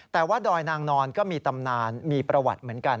แต่ว่าดอยนางนอนก็มีตำนานมีประวัติเหมือนกัน